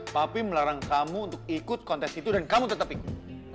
tapi melarang kamu untuk ikut kontes itu dan kamu tetap ikut